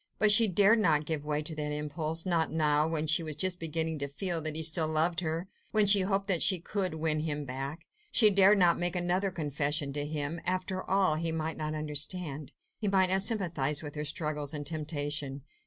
But she dared not give way to that impulse ... not now, when she was just beginning to feel that he still loved her, when she hoped that she could win him back. She dared not make another confession to him. After all, he might not understand; he might not sympathise with her struggles and temptation.